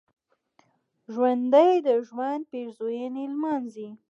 ژوندي د ژوند پېرزوینې لمانځي